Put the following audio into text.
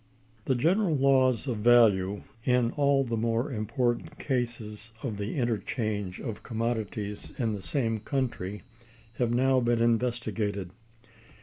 The general laws of value, in all the more important cases of the interchange of commodities in the same country, have now been investigated.